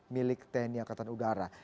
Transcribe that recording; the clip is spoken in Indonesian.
milik tni angkatan udara